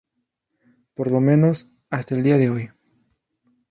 Por lo menos, hasta el día de hoy.